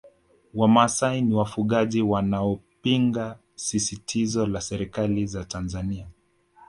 Wamasai ni wafugaji wanaopinga sisitizo la serikali za Tanzania